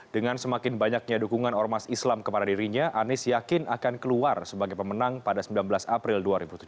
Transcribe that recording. dengan semakin banyaknya dukungan ormas islam kepada dirinya anies yakin akan keluar sebagai pemenang pada sembilan belas april dua ribu tujuh belas